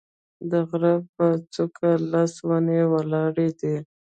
د غره په څوک لس ونې ولاړې دي